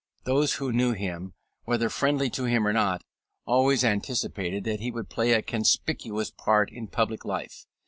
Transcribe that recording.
Those who knew him, whether friendly to him or not, always anticipated that he would play a conspicuous part in public life.